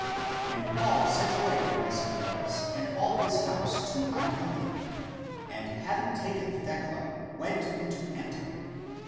And Paul sent away Onesiphorus and all his house to Iconium ; and having taken Thecla, went into Antioch.